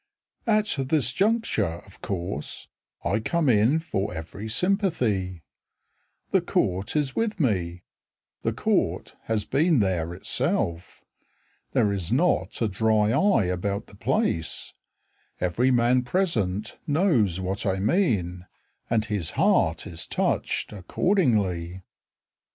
At this juncture of course I come in for every sympathy: The Court is with me, The Court has been there itself; There is not a dry eye about the place, Every man present knows what I mean, And his heart is touched accordingly.